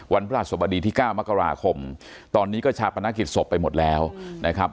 พระสบดีที่๙มกราคมตอนนี้ก็ชาปนกิจศพไปหมดแล้วนะครับ